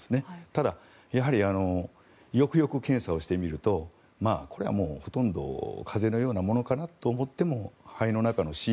ただ、やはりよくよく検査をしてみるとこれはもうほとんど風邪のようなものかなと思っても肺の中のＣＴ